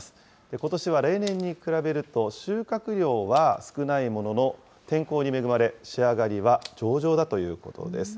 ことしは例年に比べると収穫量は少ないものの、天候に恵まれ、仕上がりは上々だということです。